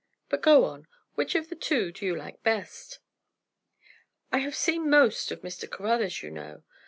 But go on; which of these two do you like best?" "I have seen most of Mr. Caruthers, you know.